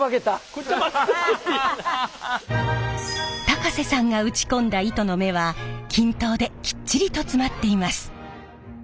高瀬さんが打ち込んだ糸の目は均等できっちりと詰まっています。